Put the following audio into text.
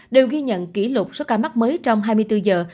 đều ghi nhận kỷ lục số ca mắc mới trong hai mươi bốn giờ